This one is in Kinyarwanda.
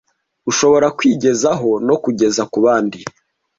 ushobora kwigezaho no kugeza ku bandi